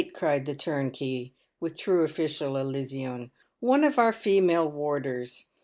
cried the turnkey, with true official elision. "One of our female warders.